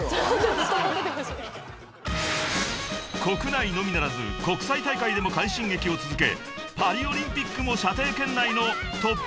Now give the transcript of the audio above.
［国内のみならず国際大会でも快進撃を続けパリオリンピックも射程圏内のトップブレイカーたち］